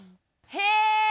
へえ！